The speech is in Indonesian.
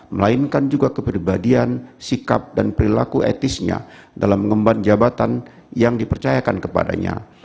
melainkan juga kepribadian sikap dan perilaku etisnya dalam mengemban jabatan yang dipercayakan kepadanya